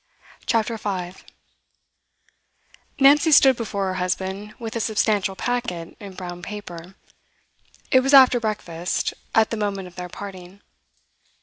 CHAPTER 5 Nancy stood before her husband with a substantial packet in brown paper. It was after breakfast, at the moment of their parting.